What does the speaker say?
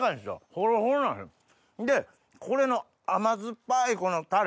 ほろほろなるでこれの甘酸っぱいこのタレ。